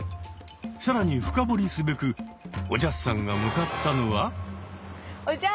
更に深掘りすべくおじゃすさんが向かったのは。